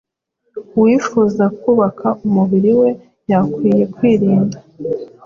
uwifuza kubaka umubiriwe we yakwiye kwirinda